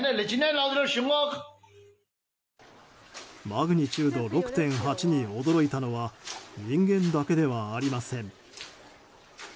マグニチュード６．８に驚いたのは人間だけではありません。